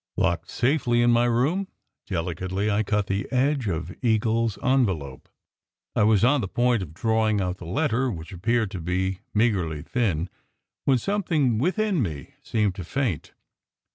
Locked safely in my room, delicately I cut the edge of Eagle s envelope. I was on the point of drawing out the letter, which appeared to be meagrely thin, when some thing within me seemed to faint.